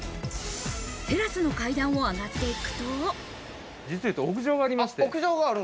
テラスの階段を上がっていくと。